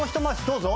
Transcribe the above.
「どうぞ」？